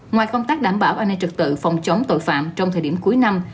ngoài công tác đảm bảo an ninh trật tự phòng chống tội phạm trong thời điểm cuối năm